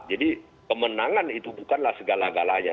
jadi kemenangan itu bukanlah segala galanya